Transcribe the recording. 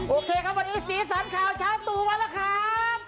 โอเคครับวันนี้สีสันข่าวเช้าตู่มาแล้วครับ